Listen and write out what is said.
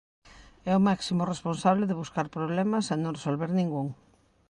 É o máximo responsable de buscar problemas e non resolver ningún.